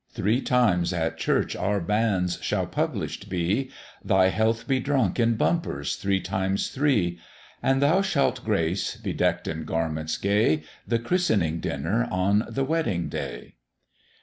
"Three times at church our banns shall publish'd be, Thy health be drunk in bumpers three times three; And thou shalt grace (bedeck'd in garments gay) The christening dinner on the wedding day."